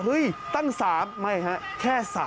ตั้ง๓ไม่ฮะแค่๓